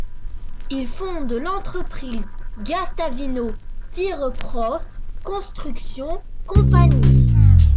Il fonde l'entreprise Guastavino Fireproof Construction Company.